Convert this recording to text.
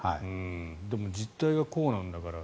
でも実態がこうなんだから。